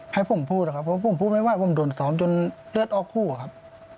ให้ผมพูดนะครับเพราะผมพูดไม่ว่าผมโดนซ้อมจนเลือดออกคู่อะครับ